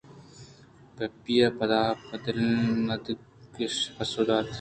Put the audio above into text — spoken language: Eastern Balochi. پیپیءَ پدا پہ نادلکشی پسو دات